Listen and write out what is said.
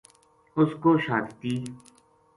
اس کو شہادتی